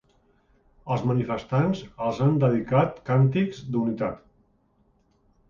Els manifestants els han dedicat càntics d’unitat.